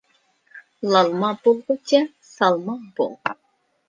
لالما بولغۇچە سالما بول.